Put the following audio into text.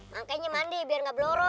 makanya mandi biar gak blorok